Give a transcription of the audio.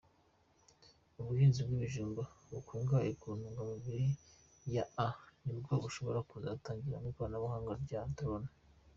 Ubuhinzi bw’ibijumba bikungahaye ku ntungamubiri ya A nibwo bushobora kuzatangiriramo ikoranabuhanga rya drone.